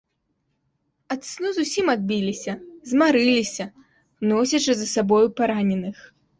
Ад сну зусім адбіліся, змарыліся, носячы за сабою параненых.